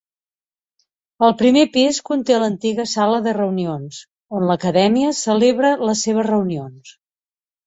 El primer pis conté l'antiga Sala de reunions, on l'acadèmia celebra les seves reunions.